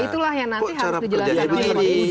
itulah yang nanti harus dijalankan oleh indonesia